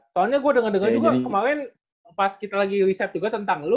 soalnya gua udah ngedengar juga kemaren pas kita lagi riset juga tentang